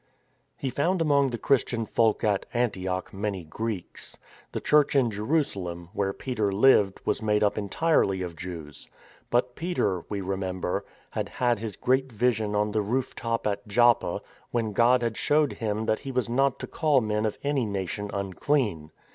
He found among the Christian folk at Antioch many Greeks. The Church in Jerusalem, where Peter lived, was made up entirely of Jews. But Peter (we remember) had had his great vision on the roof top at Joppa, when God had showed him that he was not to call men of any nation unclean.